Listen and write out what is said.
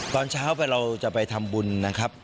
ตอนเช้าไปเราจะไปทำบุญนะครับ